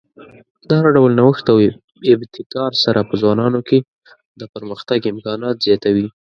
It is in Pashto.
د هر ډول نوښت او ابتکار سره په ځوانانو کې د پرمختګ امکانات زیاتوي.